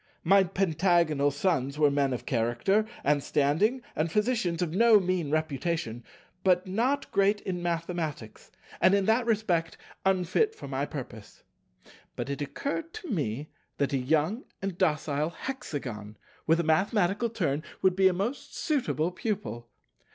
My Pentagonal Sons were men of character and standing, and physicians of no mean reputation, but not great in mathematics, and, in that respect, unfit for my purpose. But it occurred to me that a young and docile Hexagon, with a mathematical turn, would be a most suitable pupil.